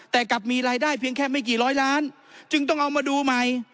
แต่กลับมีรายได้เพียงแค่ไม่กี่ร้อยล้านจึงต้องเอามาดูใหม่